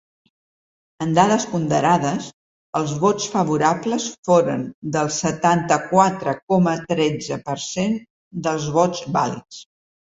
En dades ponderades, els vots favorables foren del setanta-quatre coma tretze per cent dels vots vàlids.